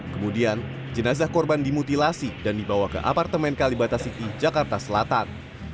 kemudian jenazah korban dimutilasi dan dibawa ke apartemen kalibata city jakarta selatan